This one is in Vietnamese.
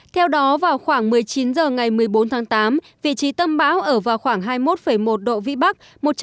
theo đó vào khoảng một mươi chín h ngày một mươi bốn tháng tám vị trí tâm bão ở vào khoảng hai mươi một một độ vĩ bắc